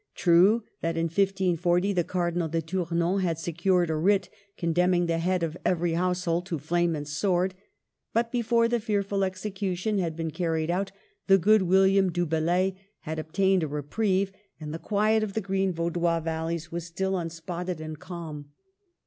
True, that in 1540 the Cardinal de Tournon had se cured a writ condemning the head of every household to flame and sword ; but before the fearful execution had been carried out, the good William du Bellay had obtained a reprieve, and the quiet of the green Vaudois valleys was still unspotted and calm.